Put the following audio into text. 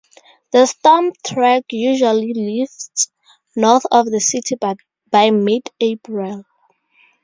The storm track usually lifts north of the city by mid-April.